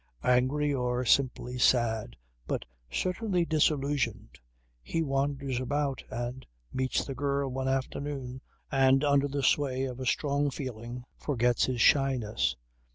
Angry or simply sad but certainly disillusioned he wanders about and meets the girl one afternoon and under the sway of a strong feeling forgets his shyness.